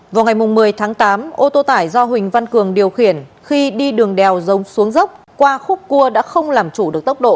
vào ngày một mươi tháng tám ô tô tải do huỳnh văn cường điều khiển khi đi đường đèo dông xuống dốc qua khúc cua đã không làm chủ được tốc độ